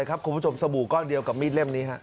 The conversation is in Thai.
คุณผู้ชมสบู่ก้อนเดียวกับมีดเล่มนี้